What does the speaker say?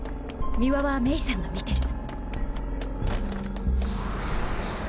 三輪は冥さんが見てる。